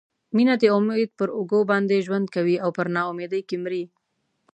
مینه د امید پر اوږو باندې ژوند کوي او په نا امیدۍ کې مري.